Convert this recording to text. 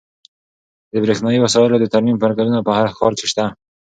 د برښنایي وسایلو د ترمیم مرکزونه په هر ښار کې شته.